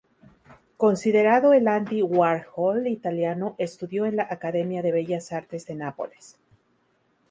Considerado el "Andy Warhol italiano", estudió en la Academia de Bellas Artes de Nápoles.